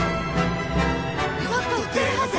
もっと出るはず！